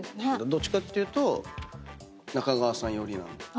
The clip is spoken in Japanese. どっちかっていうと中川さん寄りなんで。